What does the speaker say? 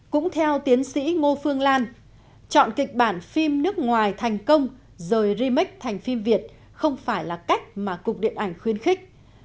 cũng theo tiến sĩ ngô phương lan chọn kịch bản phim nước ngoài thành công rồi remake thành phim việt không phải là cách mà cục điện ảnh khuyên khích